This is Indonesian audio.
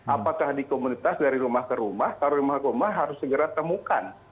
apakah di komunitas dari rumah ke rumah kalau rumah ke rumah harus segera temukan